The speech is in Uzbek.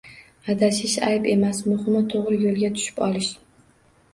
Adashish ayb emas, muhimi to‘g‘ri yo‘lga tushib olish